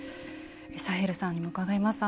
サヘルさんにも伺います。